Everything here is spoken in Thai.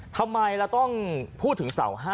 ทำไมเราต้องพูดถึงเสา๕